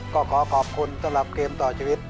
ก็ขอขอบคุณสำหรับเกมต่อชีวิต